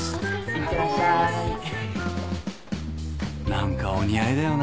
何かお似合いだよな